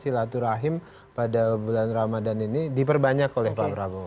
silaturahim pada bulan ramadan ini diperbanyak oleh pak prabowo